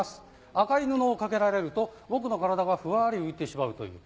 赤い布を掛けられると僕の体がふわり浮いてしまうという。